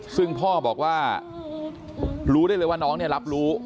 ซึ่งพ่อบอกว่ารู้ได้เลยว่าน้องเนี่ยรับรู้